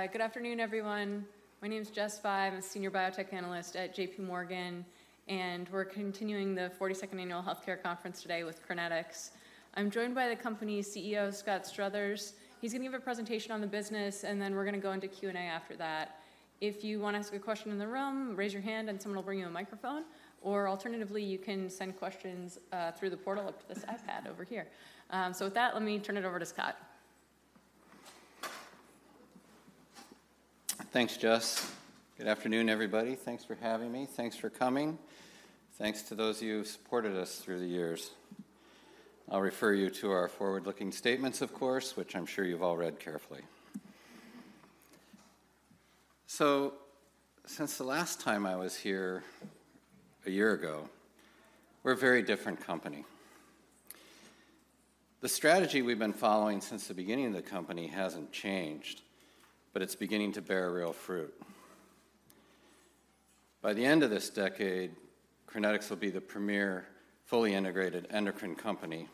Great. Good afternoon, everyone. My name is Jessica Fye. I'm a Senior Biotech Analyst at JPMorgan, and we're continuing the 42nd Annual Healthcare Conference today with Crinetics. I'm joined by the company's CEO, Scott Struthers. He's gonna give a presentation on the business, and then we're gonna go into Q&A after that. If you wanna ask a question in the room, raise your hand and someone will bring you a microphone, or alternatively, you can send questions through the portal up to this iPad over here. So with that, let me turn it over to Scott. Thanks, Jess. Good afternoon, everybody. Thanks for having me. Thanks for coming. Thanks to those of you who've supported us through the years. I'll refer you to our forward-looking statements, of course, which I'm sure you've all read carefully. Since the last time I was here a year ago, we're a very different company. The strategy we've been following since the beginning of the company hasn't changed, but it's beginning to bear real fruit. By the end of this decade, Crinetics will be the premier, fully integrated endocrine company,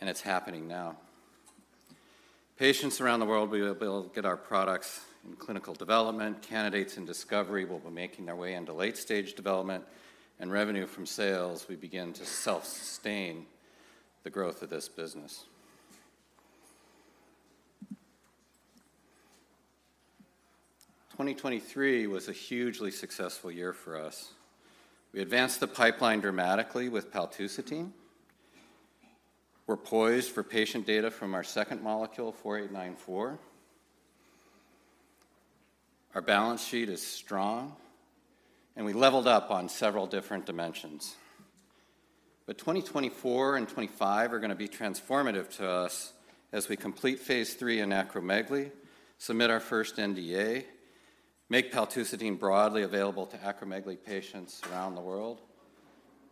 and it's happening now. Patients around the world will be able to get our products in clinical development, candidates in discovery will be making their way into late-stage development, and revenue from sales will begin to self-sustain the growth of this business. 2023 was a hugely successful year for us. We advanced the pipeline dramatically with paltusotine. We're poised for patient data from our second molecule, 4894. Our balance sheet is strong, and we leveled up on several different dimensions. But 2024 and 2025 are gonna be transformative to us as we complete phase III in acromegaly, submit our first NDA, make paltusotine broadly available to acromegaly patients around the world,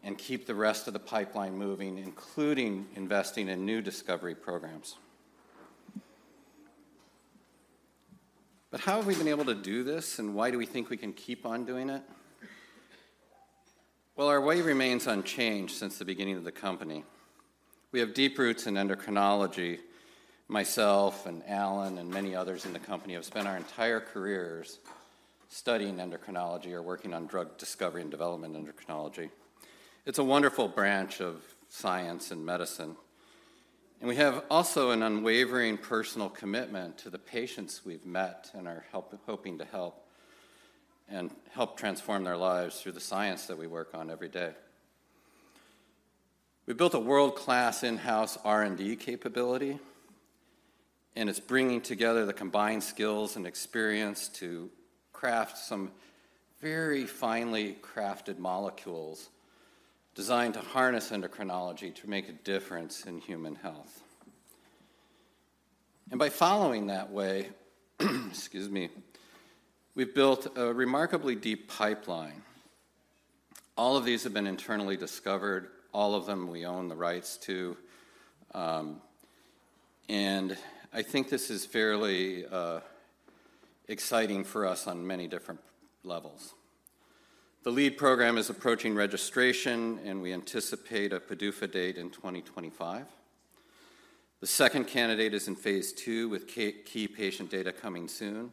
and keep the rest of the pipeline moving, including investing in new discovery programs. But how have we been able to do this, and why do we think we can keep on doing it? Well, our way remains unchanged since the beginning of the company. We have deep roots in endocrinology. Myself and Alan and many others in the company have spent our entire careers studying endocrinology or working on drug discovery and development in endocrinology. It's a wonderful branch of science and medicine, and we have also an unwavering personal commitment to the patients we've met and are hoping to help, and help transform their lives through the science that we work on every day. We built a world-class in-house R&D capability, and it's bringing together the combined skills and experience to craft some very finely crafted molecules designed to harness endocrinology to make a difference in human health. And by following that way, excuse me, we've built a remarkably deep pipeline. All of these have been internally discovered. All of them we own the rights to, and I think this is fairly exciting for us on many different levels. The lead program is approaching registration, and we anticipate a PDUFA date in 2025. The second candidate is in phase II, with key patient data coming soon,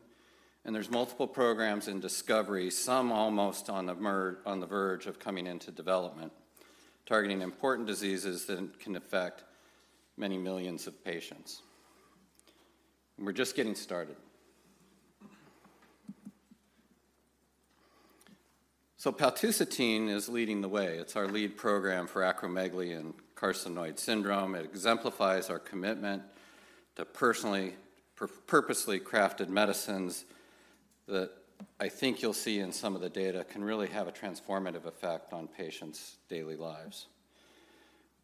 and there's multiple programs in discovery, some almost on the verge of coming into development, targeting important diseases that can affect many millions of patients. We're just getting started. Paltusotine is leading the way. It's our lead program for acromegaly and carcinoid syndrome. It exemplifies our commitment to personally, purposely crafted medicines that I think you'll see in some of the data, can really have a transformative effect on patients' daily lives.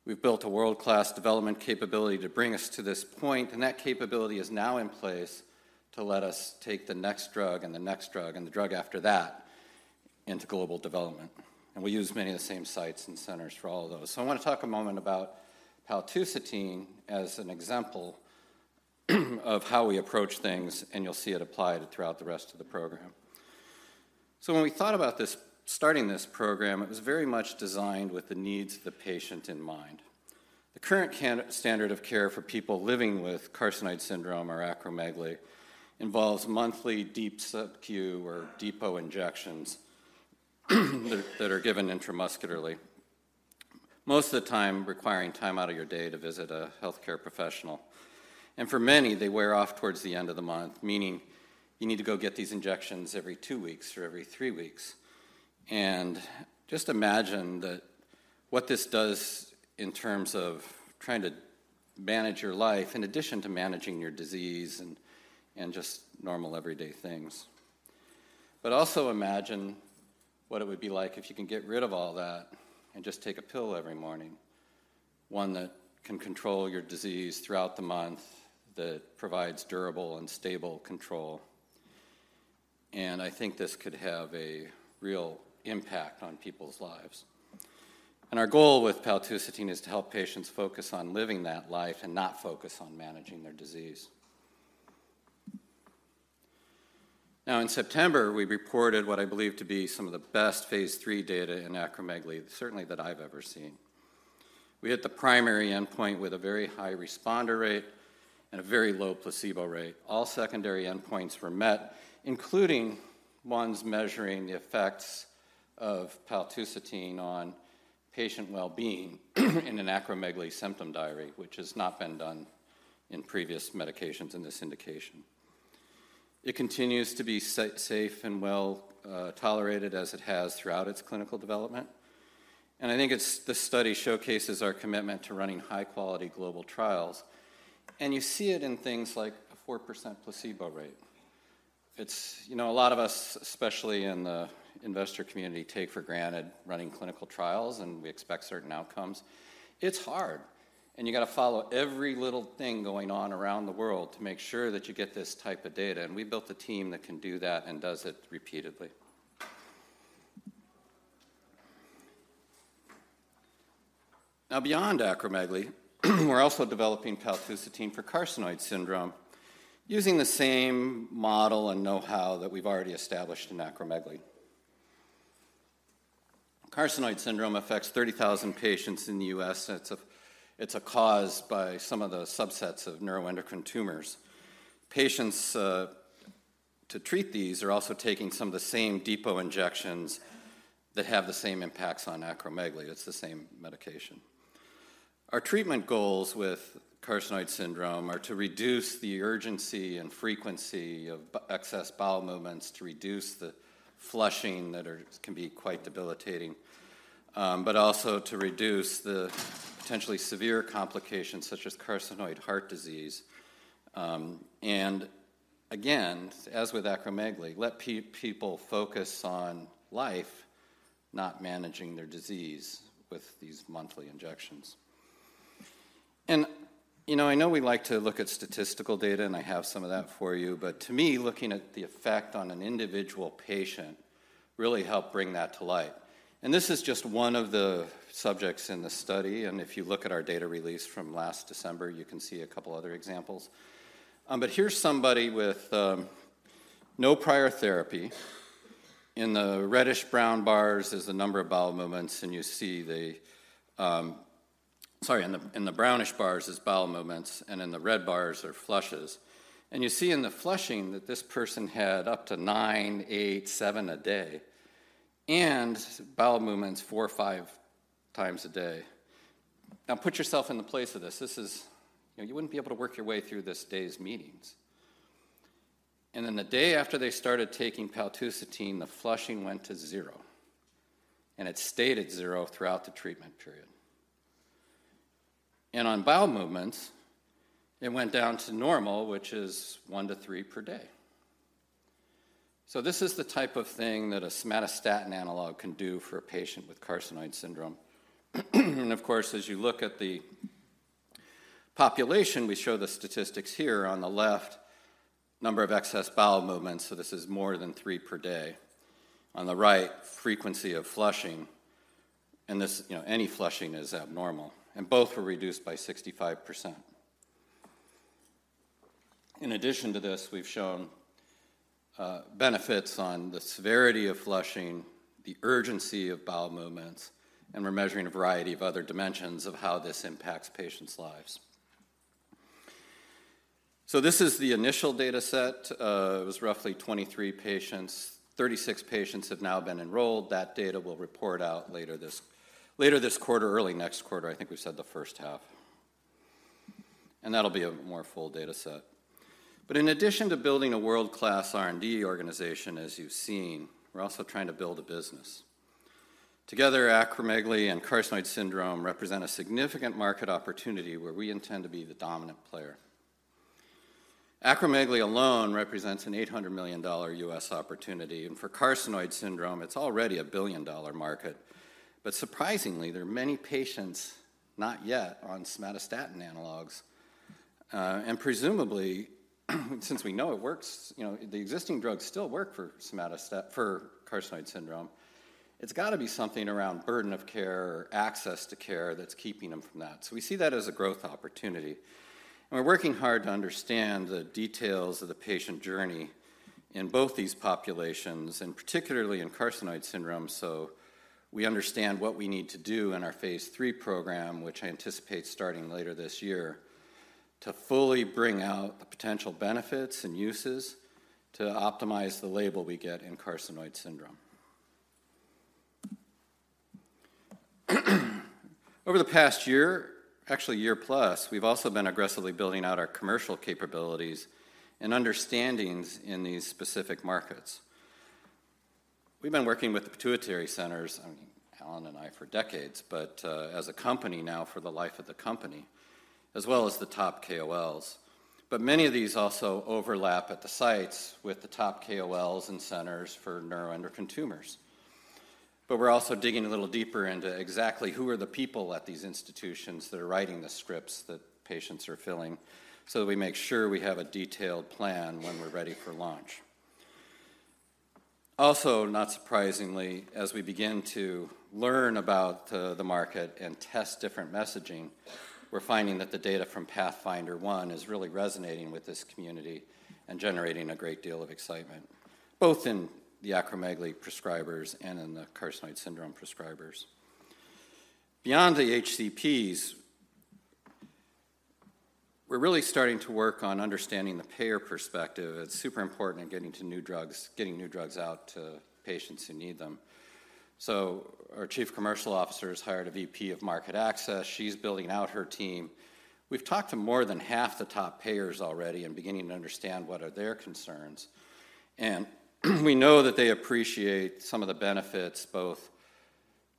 We've built a world-class development capability to bring us to this point, and that capability is now in place to let us take the next drug, and the next drug, and the drug after that into global development, and we use many of the same sites and centers for all of those. So I wanna talk a moment about paltusotine as an example of how we approach things, and you'll see it applied throughout the rest of the program. So when we thought about this, starting this program, it was very much designed with the needs of the patient in mind. The current standard of care for people living with carcinoid syndrome or acromegaly involves monthly deep subQ or depot injections that, that are given intramuscularly, most of the time requiring time out of your day to visit a healthcare professional. And for many, they wear off towards the end of the month, meaning you need to go get these injections every two weeks or every three weeks. And just imagine that, what this does in terms of trying to manage your life in addition to managing your disease and just normal everyday things. But also imagine what it would be like if you can get rid of all that and just take a pill every morning, one that can control your disease throughout the month, that provides durable and stable control, and I think this could have a real impact on people's lives. And our goal with paltusotine is to help patients focus on living that life and not focus on managing their disease.... Now, in September, we reported what I believe to be some of the best phase III data in acromegaly, certainly that I've ever seen. We hit the primary endpoint with a very high responder rate and a very low placebo rate. All secondary endpoints were met, including ones measuring the effects of paltusotine on patient well-being in an Acromegaly Symptom Diary, which has not been done in previous medications in this indication. It continues to be safe and well tolerated as it has throughout its clinical development. And I think this study showcases our commitment to running high-quality global trials, and you see it in things like a 4% placebo rate. You know, a lot of us, especially in the investor community, take for granted running clinical trials, and we expect certain outcomes. It's hard, and you've got to follow every little thing going on around the world to make sure that you get this type of data, and we built a team that can do that and does it repeatedly. Now, beyond acromegaly, we're also developing paltusotine for carcinoid syndrome using the same model and know-how that we've already established in acromegaly. Carcinoid syndrome affects 30,000 patients in the U.S., and it's caused by some of the subsets of neuroendocrine tumors. Patients to treat these are also taking some of the same depot injections that have the same impacts on acromegaly. It's the same medication. Our treatment goals with carcinoid syndrome are to reduce the urgency and frequency of excess bowel movements, to reduce the flushing that can be quite debilitating, but also to reduce the potentially severe complications such as carcinoid heart disease. Again, as with acromegaly, let people focus on life, not managing their disease with these monthly injections. You know, I know we like to look at statistical data, and I have some of that for you, but to me, looking at the effect on an individual patient really helped bring that to light. And this is just one of the subjects in the study, and if you look at our data release from last December, you can see a couple other examples. But here's somebody with no prior therapy. In the reddish-brown bars is the number of bowel movements, and you see the... Sorry, in the brownish bars is bowel movements, and in the red bars are flushes. And you see in the flushing that this person had up to nine, eight, seven a day, and bowel movements four or five times a day. Now, put yourself in the place of this. This is. You know, you wouldn't be able to work your way through this day's meetings. And then the day after they started taking paltusotine, the flushing went to zero, and it stayed at zero throughout the treatment period. And on bowel movements, it went down to normal, which is one to three per day. So this is the type of thing that a somatostatin analog can do for a patient with carcinoid syndrome. And of course, as you look at the population, we show the statistics here on the left, number of excess bowel movements, so this is more than three per day. On the right, frequency of flushing, and this, you know, any flushing is abnormal, and both were reduced by 65%. In addition to this, we've shown benefits on the severity of flushing, the urgency of bowel movements, and we're measuring a variety of other dimensions of how this impacts patients' lives. So this is the initial data set. It was roughly 23 patients. 36 patients have now been enrolled. That data we'll report out later this, later this quarter, early next quarter. I think we said the first half. That'll be a more full data set. In addition to building a world-class R&D organization, as you've seen, we're also trying to build a business. Together, acromegaly and carcinoid syndrome represent a significant market opportunity where we intend to be the dominant player. Acromegaly alone represents a $800 million U.S. opportunity, and for carcinoid syndrome, it's already a $1 billion-dollar market. But surprisingly, there are many patients not yet on somatostatin analogs. And presumably, since we know it works, you know, the existing drugs still work for carcinoid syndrome, it's got to be something around burden of care or access to care that's keeping them from that. We see that as a growth opportunity. And we're working hard to understand the details of the patient journey in both these populations, and particularly in carcinoid syndrome, so we understand what we need to do in our phase III program, which I anticipate starting later this year, to fully bring out the potential benefits and uses to optimize the label we get in carcinoid syndrome. Over the past year, actually year plus, we've also been aggressively building out our commercial capabilities and understandings in these specific markets. We've been working with the pituitary centers, I mean, Alan and I, for decades, but, as a company now for the life of the company, as well as the top KOLs. But many of these also overlap at the sites with the top KOLs and centers for neuroendocrine tumors. But we're also digging a little deeper into exactly who are the people at these institutions that are writing the scripts that patients are filling, so that we make sure we have a detailed plan when we're ready for launch. Also, not surprisingly, as we begin to learn about the market and test different messaging, we're finding that the data from PATHFNDR-1 is really resonating with this community and generating a great deal of excitement, both in the acromegaly prescribers and in the carcinoid syndrome prescribers. Beyond the HCPs, we're really starting to work on understanding the payer perspective. It's super important in getting to new drugs, getting new drugs out to patients who need them. So our Chief Commercial Officer has hired a VP of Market Access. She's building out her team. We've talked to more than half the top payers already and beginning to understand what are their concerns. And we know that they appreciate some of the benefits, both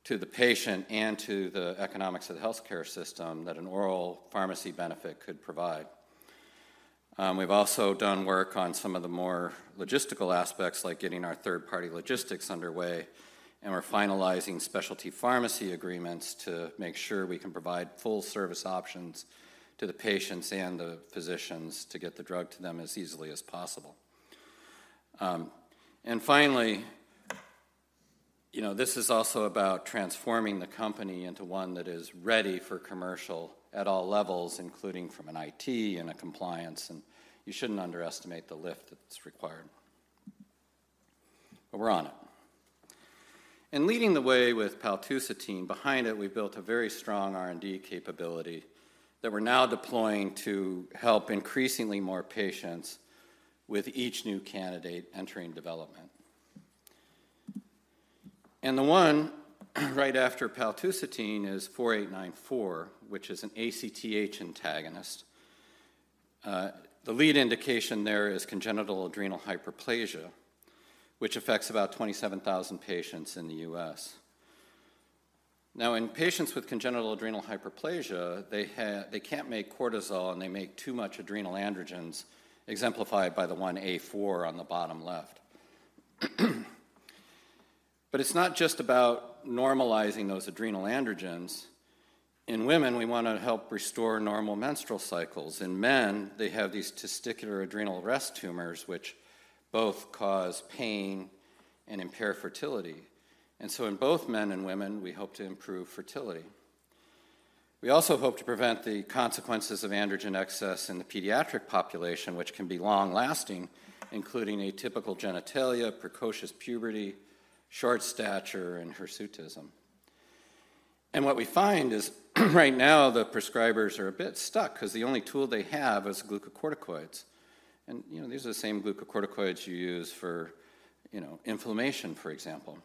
to the patient and to the economics of the healthcare system, that an oral pharmacy benefit could provide. We've also done work on some of the more logistical aspects, like getting our third-party logistics underway, and we're finalizing specialty pharmacy agreements to make sure we can provide full service options to the patients and the physicians to get the drug to them as easily as possible. And finally, you know, this is also about transforming the company into one that is ready for commercial at all levels, including from an IT and a compliance, and you shouldn't underestimate the lift that's required. But we're on it. Leading the way with paltusotine, behind it, we've built a very strong R&D capability that we're now deploying to help increasingly more patients with each new candidate entering development. The one right after paltusotine is 4894, which is an ACTH antagonist. The lead indication there is congenital adrenal hyperplasia, which affects about 27,000 patients in the U.S. Now, in patients with congenital adrenal hyperplasia, they can't make cortisol, and they make too much adrenal androgens, exemplified by the A4 on the bottom left. But it's not just about normalizing those adrenal androgens. In women, we wanna help restore normal menstrual cycles. In men, they have these testicular adrenal rest tumors, which both cause pain and impair fertility. And so in both men and women, we hope to improve fertility. We also hope to prevent the consequences of androgen excess in the pediatric population, which can be long-lasting, including atypical genitalia, precocious puberty, short stature, and hirsutism. What we find is right now, the prescribers are a bit stuck 'cause the only tool they have is glucocorticoids, and, you know, these are the same glucocorticoids you use for, you know, inflammation, for example.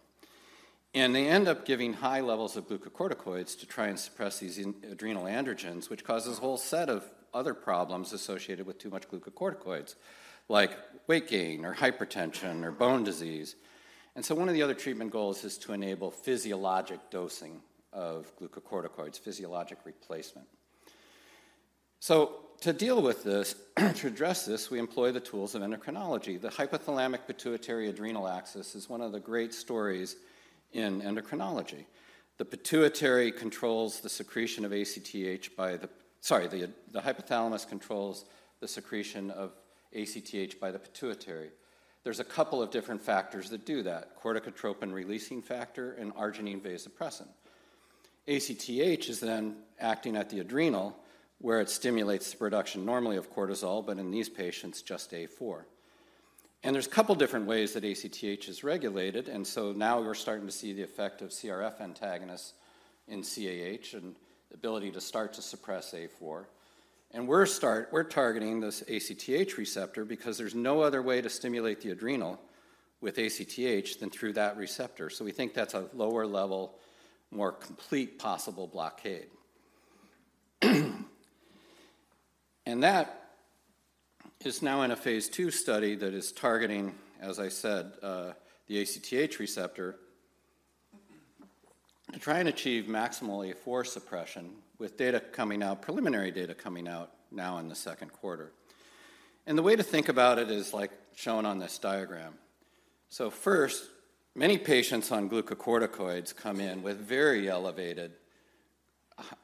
They end up giving high levels of glucocorticoids to try and suppress these adrenal androgens, which causes a whole set of other problems associated with too much glucocorticoids, like weight gain or hypertension or bone disease. So one of the other treatment goals is to enable physiologic dosing of glucocorticoids, physiologic replacement. To deal with this, to address this, we employ the tools of endocrinology. The hypothalamic-pituitary-adrenal axis is one of the great stories in endocrinology. The pituitary controls the secretion of ACTH by the... Sorry, the hypothalamus controls the secretion of ACTH by the pituitary. There's a couple of different factors that do that: corticotropin-releasing factor and arginine vasopressin. ACTH is then acting at the adrenal, where it stimulates the production normally of cortisol, but in these patients, just A4. And there's a couple different ways that ACTH is regulated, and so now we're starting to see the effect of CRF antagonists in CAH and the ability to start to suppress A4. And we're targeting this ACTH receptor because there's no other way to stimulate the adrenal with ACTH than through that receptor. So we think that's a lower level, more complete possible blockade. That is now in a phase II study that is targeting, as I said, the ACTH receptor, to try and achieve maximal A4 suppression, with data coming out, preliminary data coming out now in the second quarter. And the way to think about it is like shown on this diagram. So first, many patients on glucocorticoids come in with very elevated,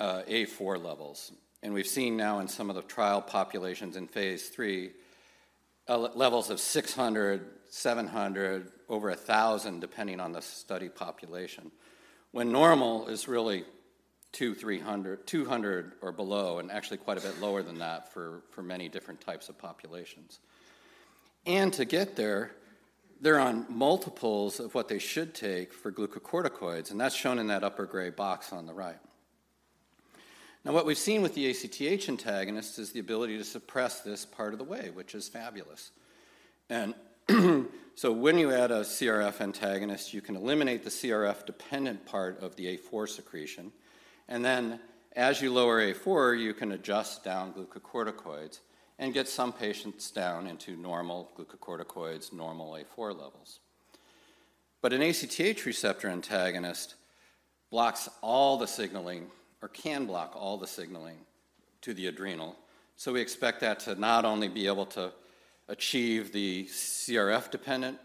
A4 levels, and we've seen now in some of the trial populations in phase III, levels of 600, 700, over 1,000, depending on the study population. When normal is really 200-300, 200 or below, and actually quite a bit lower than that for many different types of populations. And to get there, they're on multiples of what they should take for glucocorticoids, and that's shown in that upper gray box on the right. Now, what we've seen with the ACTH antagonist is the ability to suppress this part of the way, which is fabulous. And so when you add a CRF antagonist, you can eliminate the CRF-dependent part of the A4 secretion, and then as you lower A4, you can adjust down glucocorticoids and get some patients down into normal glucocorticoids, normal A4 levels. But an ACTH receptor antagonist blocks all the signaling, or can block all the signaling to the adrenal, so we expect that to not only be able to achieve the CRF-dependent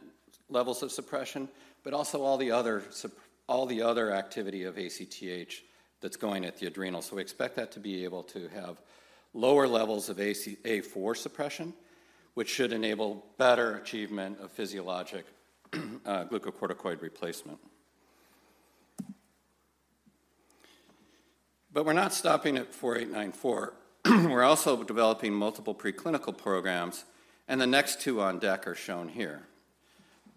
levels of suppression, but also all the other activity of ACTH that's going at the adrenal. So we expect that to be able to have lower levels of A4 suppression, which should enable better achievement of physiologic, glucocorticoid replacement. But we're not stopping at 4894. We're also developing multiple preclinical programs, and the next two on deck are shown here.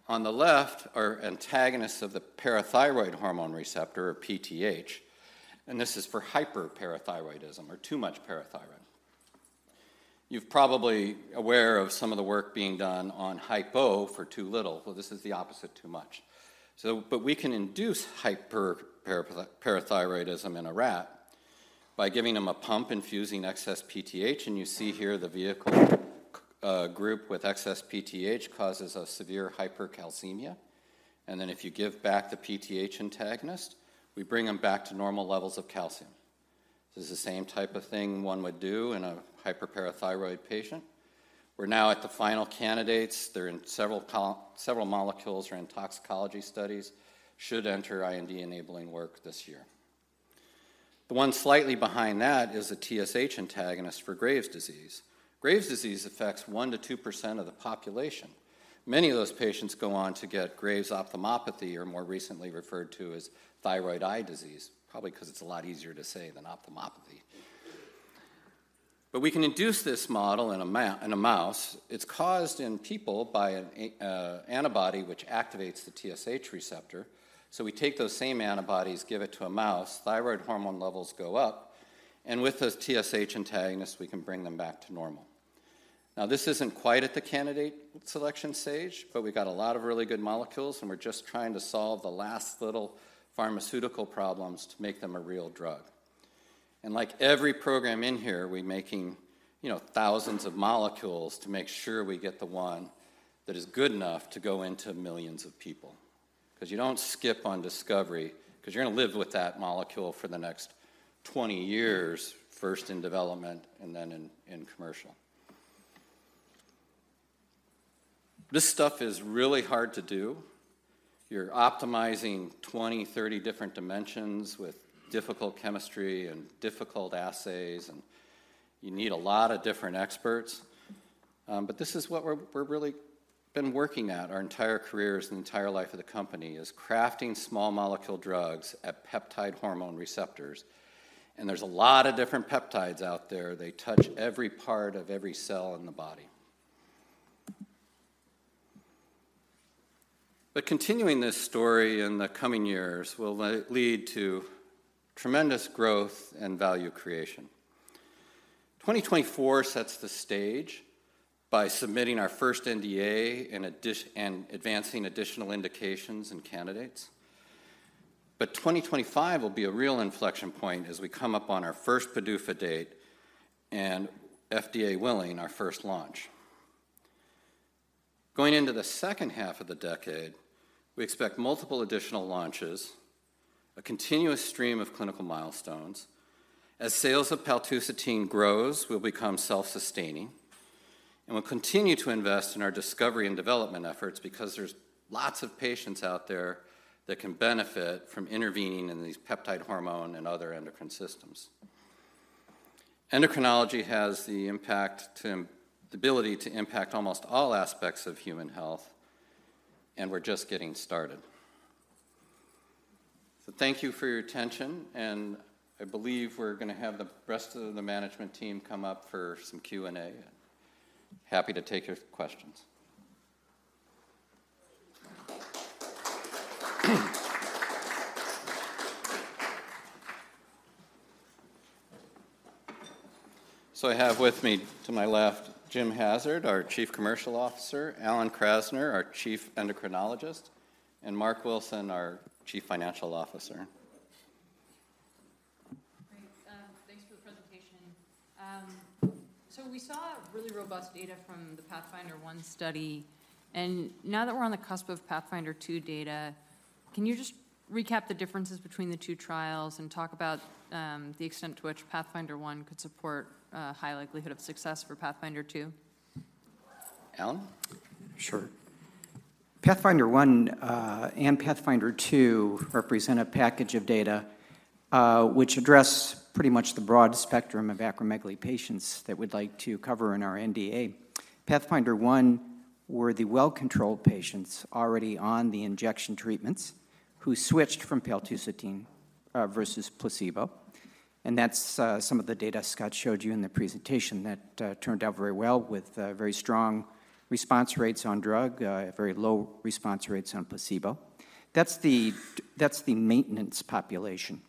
On the left are antagonists of the parathyroid hormone receptor, or PTH, and this is for hyperparathyroidism, or too much parathyroid. You've probably aware of some of the work being done on hypo for too little. Well, this is the opposite, too much. So, but we can induce hyperparathyroidism in a rat by giving them a pump infusing excess PTH, and you see here the vehicle group with excess PTH causes a severe hypercalcemia. And then if you give back the PTH antagonist, we bring them back to normal levels of calcium. This is the same type of thing one would do in a hyperparathyroid patient. We're now at the final candidates. Several molecules are in toxicology studies and should enter IND-enabling work this year. The one slightly behind that is a TSH antagonist for Graves' disease. Graves' disease affects 1%-2% of the population. Many of those patients go on to get Graves' ophthalmopathy, or more recently referred to as thyroid eye disease, probably 'cause it's a lot easier to say than ophthalmopathy. But we can induce this model in a mouse. It's caused in people by an antibody which activates the TSH receptor. So we take those same antibodies, give it to a mouse, thyroid hormone levels go up, and with those TSH antagonists, we can bring them back to normal. Now, this isn't quite at the candidate selection stage, but we've got a lot of really good molecules, and we're just trying to solve the last little pharmaceutical problems to make them a real drug. And like every program in here, we're making, you know, thousands of molecules to make sure we get the one that is good enough to go into millions of people. 'Cause you don't skip on discovery, 'cause you're gonna live with that molecule for the next 20 years, first in development and then in, in commercial. This stuff is really hard to do. You're optimizing 20, 30 different dimensions with difficult chemistry and difficult assays, and you need a lot of different experts. But this is what we're, we're really been working at our entire careers and the entire life of the company, is crafting small molecule drugs at peptide hormone receptors. And there's a lot of different peptides out there. They touch every part of every cell in the body. But continuing this story in the coming years will lead to tremendous growth and value creation. 2024 sets the stage by submitting our first NDA in addition and advancing additional indications and candidates. But 2025 will be a real inflection point as we come up on our first PDUFA date and, FDA willing, our first launch. Going into the second half of the decade, we expect multiple additional launches, a continuous stream of clinical milestones. As sales of paltusotine grows, we'll become self-sustaining, and we'll continue to invest in our discovery and development efforts because there's lots of patients out there that can benefit from intervening in these peptide hormone and other endocrine systems. Endocrinology has the ability to impact almost all aspects of human health, and we're just getting started. So thank you for your attention, and I believe we're gonna have the rest of the management team come up for some Q&A. Happy to take your questions. I have with me to my left, Jim Hassard, our Chief Commercial Officer, Alan Krasner, our Chief Endocrinologist, and Marc Wilson, our Chief Financial Officer. Great. Thanks for the presentation. So we saw really robust data from the PATHFNDR-1 study, and now that we're on the cusp of PATHFNDR-2 data, can you just recap the differences between the two trials and talk about the extent to which PATHFNDR-1 could support high likelihood of success for PATHFNDR-2? Alan? Sure. PATHFNDR-1 and PATHFNDR-2 represent a package of data, which address pretty much the broad spectrum of acromegaly patients that we'd like to cover in our NDA. PATHFNDR-1 were the well-controlled patients already on the injection treatments, who switched from paltusotine versus placebo, and that's some of the data Scott showed you in the presentation that turned out very well with very strong response rates on drug, very low response rates on placebo. That's the maintenance population.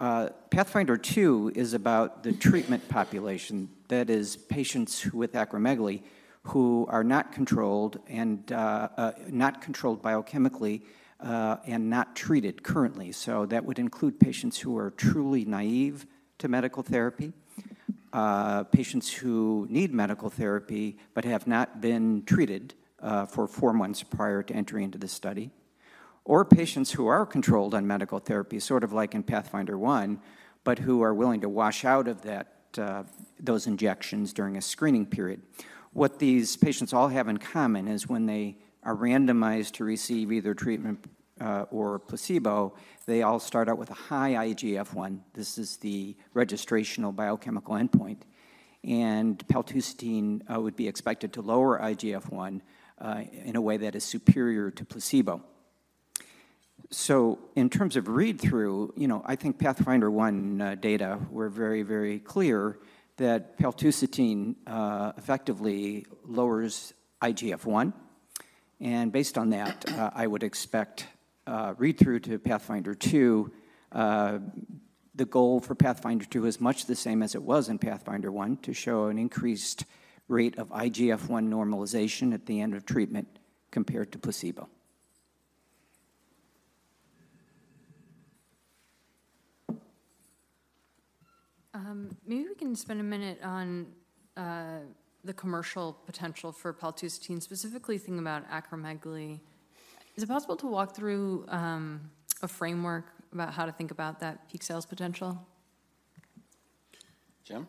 PATHFNDR-2 is about the treatment population, that is, patients with acromegaly who are not controlled and not controlled biochemically and not treated currently. So that would include patients who are truly naive to medical therapy, patients who need medical therapy but have not been treated, for four months prior to entering into the study, or patients who are controlled on medical therapy, sort of like in PATHFNDR-1, but who are willing to wash out of that, those injections during a screening period. What these patients all have in common is when they are randomized to receive either treatment, or placebo, they all start out with a high IGF-1. This is the registrational biochemical endpoint, and paltusotine would be expected to lower IGF-1 in a way that is superior to placebo. So in terms of read-through, you know, I think PATHFNDR-1 data were very, very clear that paltusotine effectively lowers IGF-1, and based on that, I would expect read-through to PATHFNDR-2. The goal for PATHFNDR-2 is much the same as it was in PATHFNDR-1, to show an increased rate of IGF-1 normalization at the end of treatment compared to placebo. Maybe we can spend a minute on the commercial potential for paltusotine, specifically thinking about acromegaly. Is it possible to walk through a framework about how to think about that peak sales potential? Jim?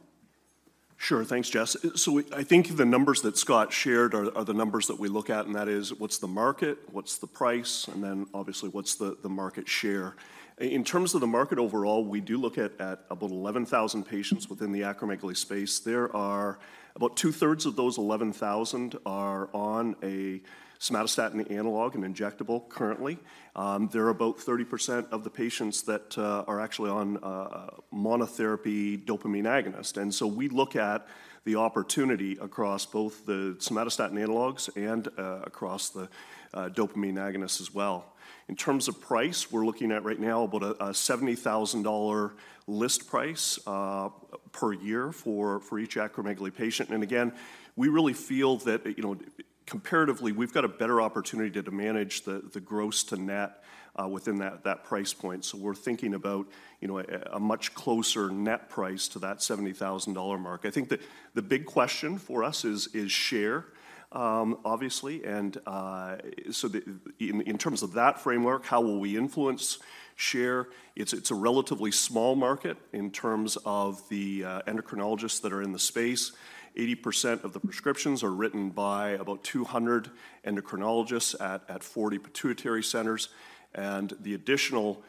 Sure. Thanks, Jess. So I think the numbers that Scott shared are the numbers that we look at, and that is: What's the market? What's the price? And then, obviously, what's the market share? In terms of the market overall, we do look at about 11,000 patients within the acromegaly space. There are about 2/3 of those 11,000 are on a somatostatin analog, an injectable, currently. There are about 30% of the patients that are actually on a monotherapy dopamine agonist, and so we look at the opportunity across both the somatostatin analogs and across the dopamine agonists as well. In terms of price, we're looking at right now about a $70,000 list price per year for each acromegaly patient. And again, we really feel that, you know, comparatively, we've got a better opportunity to manage the gross to net within that price point, so we're thinking about, you know, a much closer net price to that $70,000 mark. I think the big question for us is share, obviously, and so, in terms of that framework, how will we influence share? It's a relatively small market in terms of the endocrinologists that are in the space. 80% of the prescriptions are written by about 200 endocrinologists at 40 pituitary centers, and the additional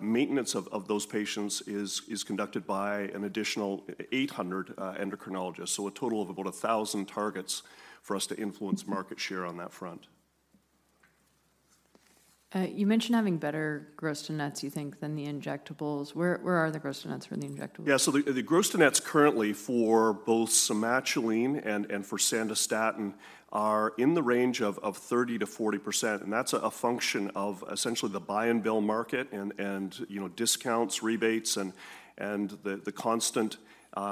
maintenance of those patients is conducted by an additional 800 endocrinologists. So a total of about 1,000 targets for us to influence market share on that front. You mentioned having better gross to nets, you think, than the injectables. Where are the gross to nets for the injectable? Yeah, so the gross to nets currently for both Somatuline and for Sandostatin are in the range of 30%-40%, and that's a function of essentially the buy and bill market and, you know, discounts, rebates, and the constant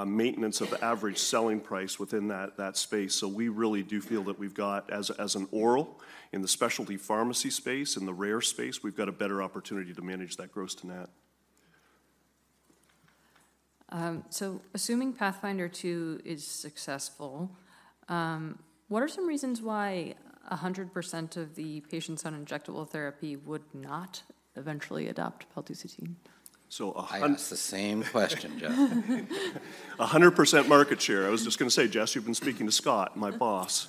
maintenance of the average selling price within that space. So we really do feel that we've got, as an oral in the specialty pharmacy space, in the rare space, we've got a better opportunity to manage that gross to net. Assuming PATHFNDR-2 is successful, what are some reasons why 100% of the patients on injectable therapy would not eventually adopt paltusotine? So a hun- I asked the same question, Jess. 100% market share. I was just gonna say, Jess, you've been speaking to Scott, my boss.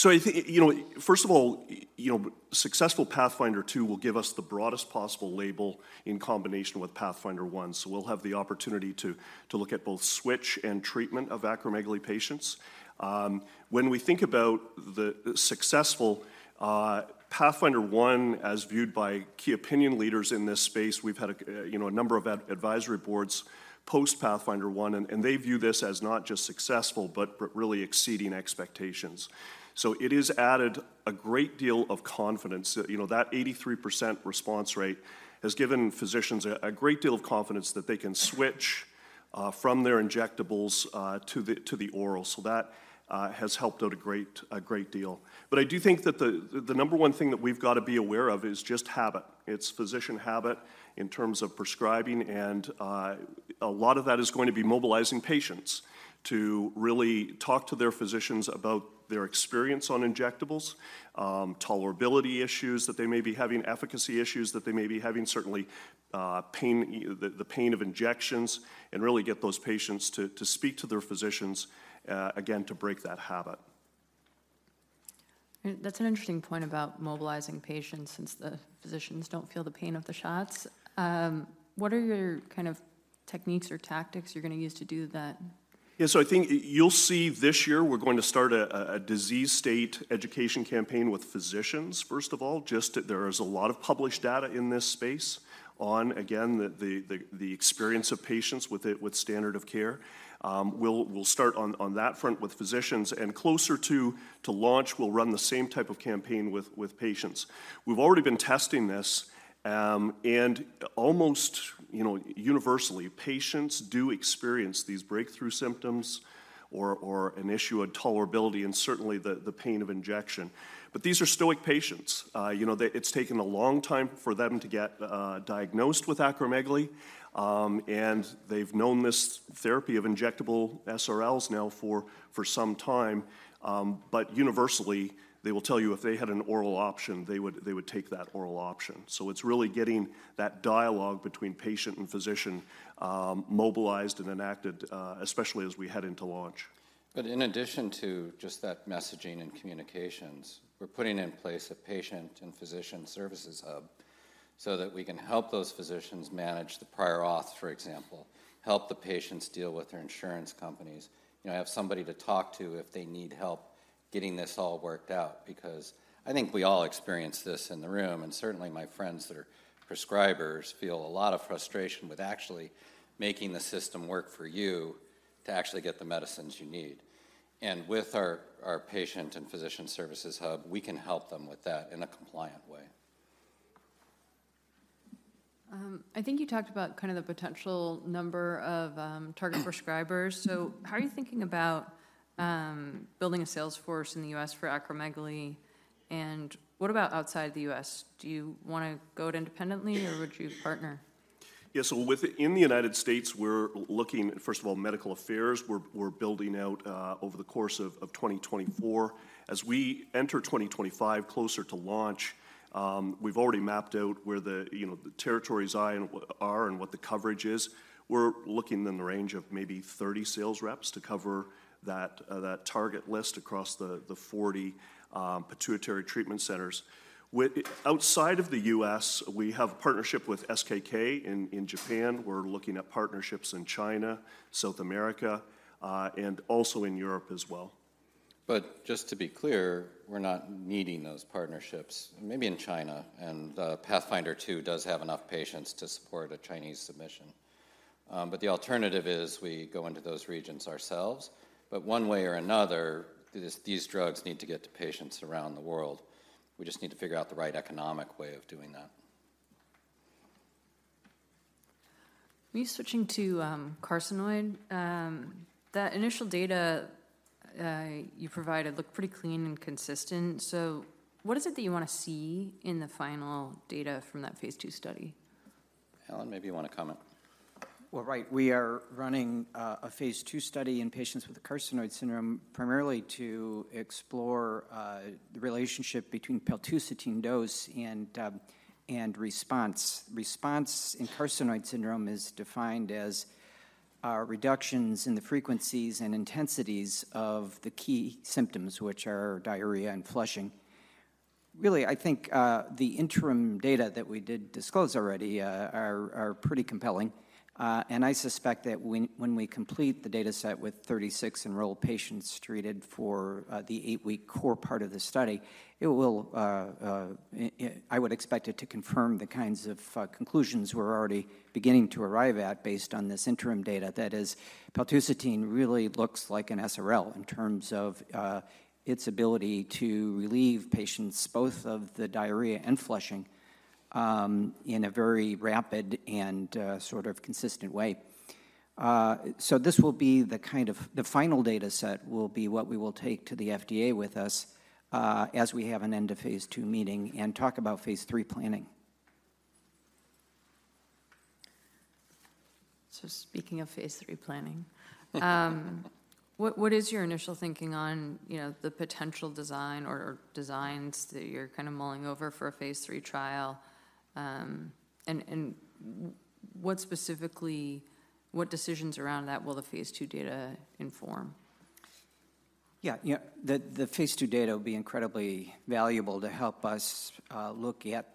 So I think—you know, first of all, you know, successful PATHFNDR-2 will give us the broadest possible label in combination with PATHFNDR-1, so we'll have the opportunity to look at both switch and treatment of acromegaly patients. When we think about the successful PATHFNDR-1, as viewed by key opinion leaders in this space, we've had a number of advisory boards post PATHFNDR-1, and they view this as not just successful, but really exceeding expectations. So it has added a great deal of confidence. You know, that 83% response rate has given physicians a great deal of confidence that they can switch from their injectables to the oral. So that has helped out a great, a great deal. But I do think that the number one thing that we've got to be aware of is just habit. It's physician habit in terms of prescribing, and a lot of that is going to be mobilizing patients to really talk to their physicians about their experience on injectables, tolerability issues that they may be having, efficacy issues that they may be having, certainly pain, the pain of injections, and really get those patients to speak to their physicians again, to break that habit. That's an interesting point about mobilizing patients, since the physicians don't feel the pain of the shots. What are your kind of techniques or tactics you're gonna use to do that? Yeah, so I think you'll see this year we're going to start a disease state education campaign with physicians, first of all, just to. There is a lot of published data in this space on, again, the experience of patients with it, with standard of care. We'll start on that front with physicians, and closer to launch, we'll run the same type of campaign with patients. We've already been testing this, and almost, you know, universally, patients do experience these breakthrough symptoms or an issue of tolerability and certainly the pain of injection. But these are stoic patients. You know, they. It's taken a long time for them to get diagnosed with acromegaly, and they've known this therapy of injectable SRLs now for some time, but universally, they will tell you if they had an oral option, they would take that oral option. So it's really getting that dialogue between patient and physician mobilized and enacted, especially as we head into launch. But in addition to just that messaging and communications, we're putting in place a patient and physician services hub, so that we can help those physicians manage the prior auth, for example, help the patients deal with their insurance companies, you know, have somebody to talk to if they need help getting this all worked out. Because I think we all experience this in the room, and certainly my friends that are prescribers feel a lot of frustration with actually making the system work for you to actually get the medicines you need. And with our, our patient and physician services hub, we can help them with that in a compliant way. I think you talked about kind of the potential number of target prescribers. So how are you thinking about building a sales force in the U.S. for acromegaly, and what about outside the U.S.? Do you wanna go it independently, or would you partner? Yes, so within the United States, we're looking, first of all, medical affairs, we're building out over the course of 2024. As we enter 2025, closer to launch, we've already mapped out where the, you know, the territories are, and what the coverage is. We're looking in the range of maybe 30 sales reps to cover that target list across the 40 pituitary treatment centers. With outside of the U.S., we have a partnership with SKK in Japan. We're looking at partnerships in China, South America, and also in Europe as well. Just to be clear, we're not needing those partnerships. Maybe in China, and PATHFNDR-2 does have enough patients to support a Chinese submission. But the alternative is we go into those regions ourselves. But one way or another, these drugs need to get to patients around the world. We just need to figure out the right economic way of doing that. Me switching to carcinoid. That initial data you provided looked pretty clean and consistent, so what is it that you want to see in the final data from that phase II study? Alan, maybe you want to comment. Well, right. We are running a phase II study in patients with carcinoid syndrome, primarily to explore the relationship between paltusotine dose and response. Response in carcinoid syndrome is defined as reductions in the frequencies and intensities of the key symptoms, which are diarrhea and flushing. Really, I think the interim data that we did disclose already are pretty compelling, and I suspect that when we complete the dataset with 36 enrolled patients treated for the eight-week core part of the study, it will confirm the kinds of conclusions we're already beginning to arrive at based on this interim data. That is, paltusotine really looks like an SRL in terms of its ability to relieve patients, both of the diarrhea and flushing, in a very rapid and sort of consistent way. So this will be the final dataset that we will take to the FDA with us, as we have an end of phase II meeting and talk about phase III planning. So speaking of phase III planning, what is your initial thinking on, you know, the potential design or designs that you're kind of mulling over for a phase III trial? And what specifically, what decisions around that will the phase II data inform? Yeah, yeah. The phase II data will be incredibly valuable to help us look at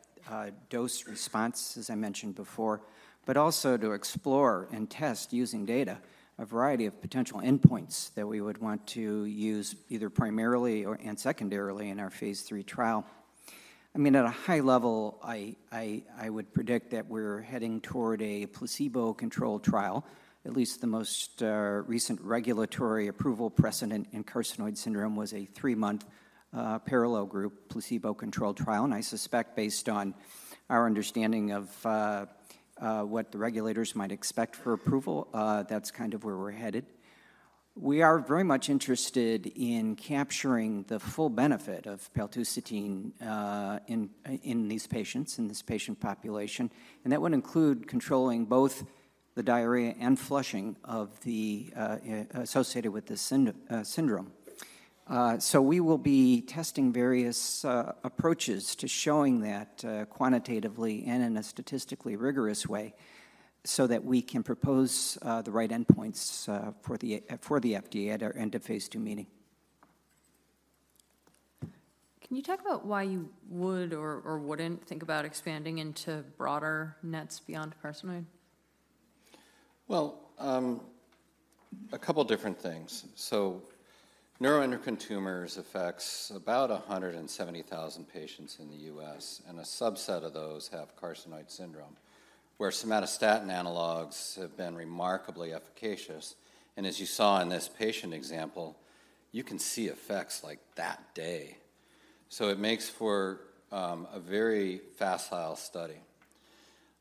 dose response, as I mentioned before, but also to explore and test using data a variety of potential endpoints that we would want to use either primarily or and secondarily in our phase III trial. I mean, at a high level, I would predict that we're heading toward a placebo-controlled trial. At least the most recent regulatory approval precedent in carcinoid syndrome was a three-month parallel group, placebo-controlled trial. And I suspect, based on our understanding of what the regulators might expect for approval, that's kind of where we're headed. We are very much interested in capturing the full benefit of paltusotine in these patients, in this patient population, and that would include controlling both the diarrhea and flushing associated with this syndrome. So we will be testing various approaches to showing that quantitatively and in a statistically rigorous way, so that we can propose the right endpoints for the FDA at our end of phase II meeting. Can you talk about why you would or wouldn't think about expanding into broader NETs beyond carcinoid? Well, a couple different things. So neuroendocrine tumors affects about 170,000 patients in the U.S., and a subset of those have carcinoid syndrome, where somatostatin analogues have been remarkably efficacious. And as you saw in this patient example, you can see effects, like, that day. So it makes for a very facile study.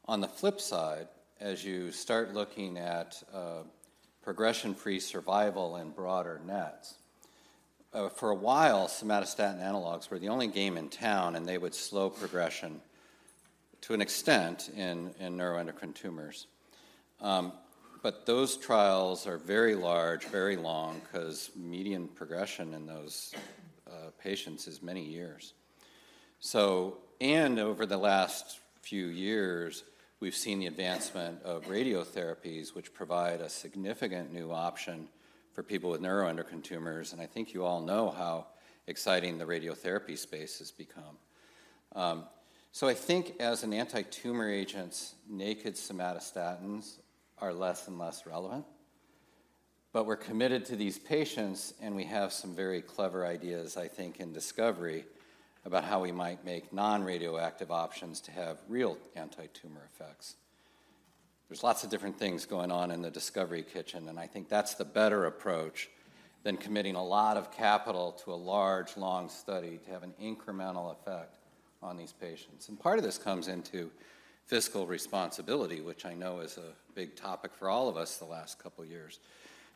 On the flip side, as you start looking at progression-free survival in broader NETs, for a while, somatostatin analogues were the only game in town, and they would slow progression to an extent in neuroendocrine tumors. But those trials are very large, very long, 'cause median progression in those patients is many years. And over the last few years, we've seen the advancement of radiotherapies, which provide a significant new option for people with neuroendocrine tumors, and I think you all know how exciting the radiotherapy space has become. I think as anti-tumor agents, naked somatostatin are less and less relevant, but we're committed to these patients, and we have some very clever ideas, I think, in discovery about how we might make non-radioactive options to have real anti-tumor effects. There's lots of different things going on in the discovery kitchen, and I think that's the better approach than committing a lot of capital to a large, long study to have an incremental effect on these patients. And part of this comes into fiscal responsibility, which I know is a big topic for all of us the last couple of years.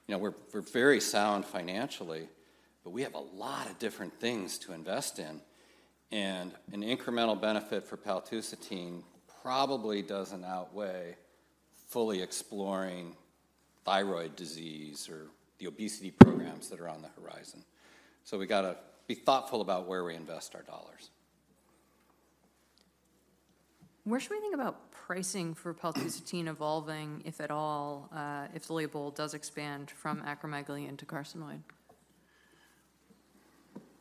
You know, we're, we're very sound financially, but we have a lot of different things to invest in, and an incremental benefit for paltusotine probably doesn't outweigh fully exploring thyroid disease or the obesity programs that are on the horizon. So we gotta be thoughtful about where we invest our dollars. Where should we think about pricing for paltusotine evolving, if at all, if the label does expand from acromegaly into carcinoid?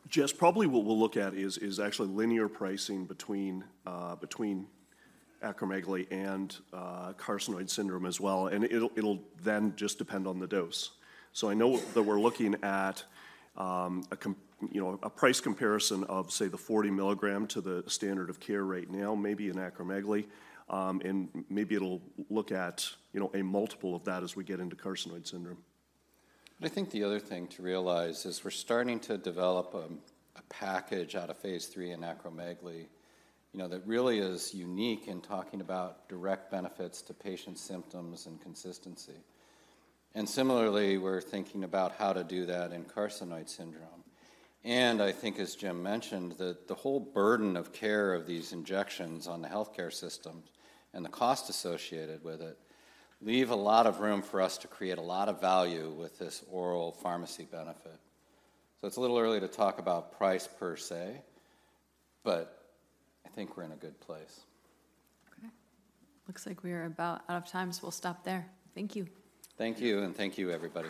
Jess, probably what we'll look at is actually linear pricing between acromegaly and carcinoid syndrome as well, and it'll then just depend on the dose. So I know that we're looking at, you know, a price comparison of, say, the 40 mg to the standard of care right now, maybe in acromegaly, and maybe it'll look at, you know, a multiple of that as we get into carcinoid syndrome. I think the other thing to realize is we're starting to develop a package out of phase III in acromegaly, you know, that really is unique in talking about direct benefits to patient symptoms and consistency. And similarly, we're thinking about how to do that in carcinoid syndrome. And I think, as Jim mentioned, that the whole burden of care of these injections on the healthcare system and the cost associated with it leave a lot of room for us to create a lot of value with this oral pharmacy benefit. So it's a little early to talk about price per se, but I think we're in a good place. Okay. Looks like we're about out of time, so we'll stop there. Thank you. Thank you, and thank you, everybody.